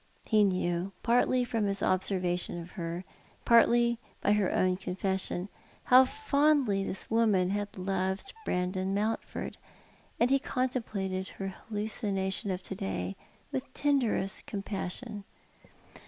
He knew — partly from his observation of her, partly by her own confession — how fondly this woman had loved Brandon Mountford — and he contemplated her hallucination of to day with tenderest compassion.